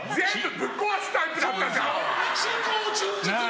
ぶっ壊すタイプだったじゃん！